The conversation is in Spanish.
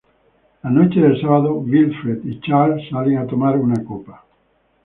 La noche del sábado Wilfred y Charles salen a tomar una copa.